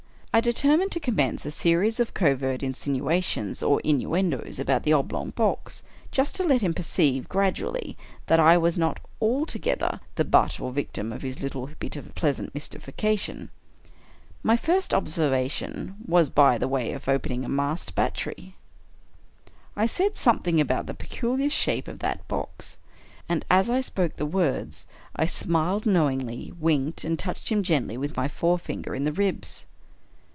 I determined to commence a series of covert insinuations, or innuendoes, about the oblong box — just to let him perceive, gradually, that I was not altogether the butt, or victim, of his little bit of pleasant mystification. My first observation was by way of opening a masked battery. I said something about the " peculiar shape of that box "; and, as I spoke the words, I smiled knowingly, winked, and touched him gently with my forefinger in the ribs.